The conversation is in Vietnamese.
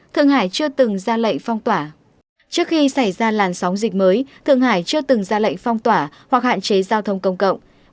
thượng hải chưa từng ra lệnh phong tỏa hoặc hạn chế giao thông công cộng